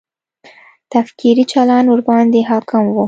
تکفیري چلند ورباندې حاکم و.